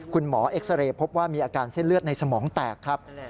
เอ็กซาเรย์พบว่ามีอาการเส้นเลือดในสมองแตกครับ